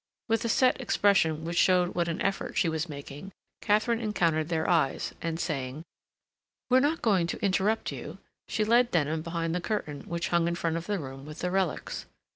With a set expression which showed what an effort she was making, Katharine encountered their eyes, and saying, "We're not going to interrupt you," she led Denham behind the curtain which hung in front of the room with the relics.